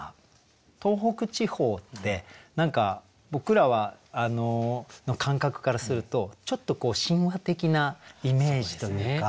東北地方って何か僕らの感覚からするとちょっと神話的なイメージというか。